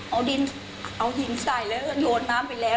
เอาดินเอาหินใส่แล้วก็โยนน้ำไปแล้ว